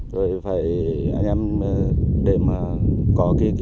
rồi phải anh em để mà có kỳ